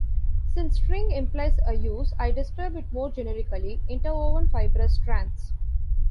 Since "string" implies a use, I describe it more generically: interwoven fibrous strands.